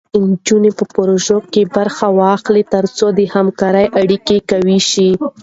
نجونې په پروژو کې برخه واخلي، تر څو د همکارۍ اړیکې قوي شي.